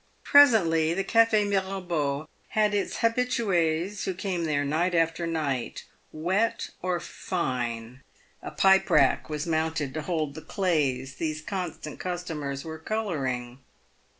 Presently the Cafe Mirabeau bad its habitues who came there night after night, wet or fine. A pipe rack was mounted to hold the " clays'* these constant customers were colouring.